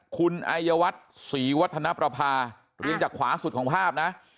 คุณอายวัฒน์ศรีวัฒนประภาเรียงจากขวาสุดของภาพนะ